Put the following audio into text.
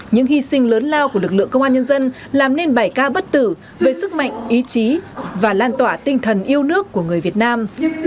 những hy sinh lớn lao của lực lượng công an nhân dân làm nên bảy ca bất tử về sức mạnh ý chí và lan tỏa tinh thần yêu nước của người việt nam